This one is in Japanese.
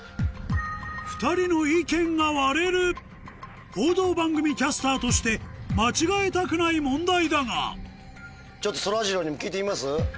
２人の意見が割れる報道番組キャスターとして間違えたくない問題だがちょっとそらジローにも聞いてみます？